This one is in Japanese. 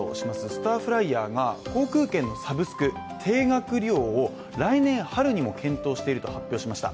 スターフライヤーが航空券のサブスク＝定額利用を来年春にも検討していると発表しました。